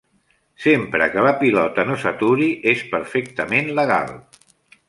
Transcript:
Sempre que la pilota no s'aturi, és perfectament legal.